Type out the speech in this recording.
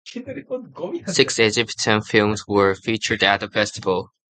Six Egyptian films were featured at the Festival.